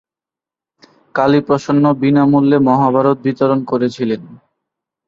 কালীপ্রসন্ন বিনামূল্যে মহাভারত বিতরণ করেছিলেন।